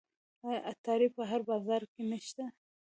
آیا عطاري په هر بازار کې نشته؟